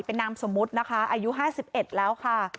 เป็นนามสมมุตินะคะอายุ๕๑แล้วค่ะ